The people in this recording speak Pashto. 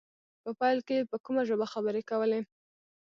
په پيل کې يې په کومه ژبه خبرې کولې.